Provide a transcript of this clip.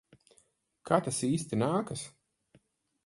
Kā tas īsti nākas?